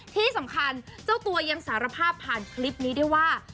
ที่สำคัญเจ้าตัวยังสารภาพผ่านคลิปนี้ได้ว่า